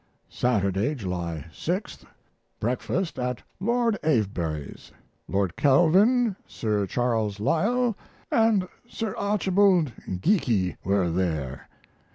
Saturday, July 6. Breakfasted at Lord Avebury's. Lord Kelvin, Sir Charles Lyell, and Sir Archibald Geikie were there.